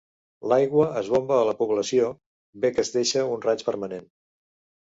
L'aigua es bomba a la població, bé que es deixa un raig permanent.